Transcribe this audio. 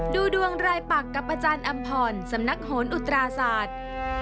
ดูดวงรายปักกับอาจารย์อำพรสำนักโหนอุตราศาสตร์